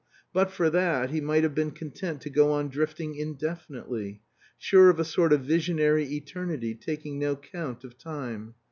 But for that he might have been content to go on drifting indefinitely, sure of a sort of visionary eternity, taking no count of time.